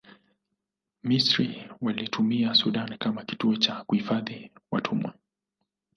misri waliitumia sudan kama kituo cha kuhifadhi watumwa